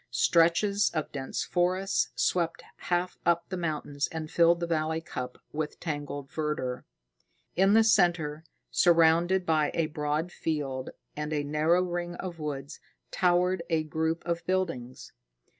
Stretches of dense forest swept half up the mountains and filled the valley cup with tangled verdure. In the center, surrounded by a broad field and a narrow ring of woods, towered a group of buildings.